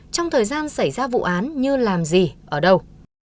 trong thời gian xảy ra vụ án như làm gì ở đâu